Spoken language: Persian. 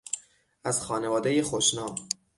از خانوادهی خوشنام